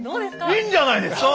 いいんじゃないですか？